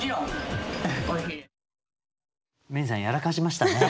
Ｍａｙ’ｎさんやらかしましたね。